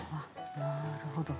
なるほど。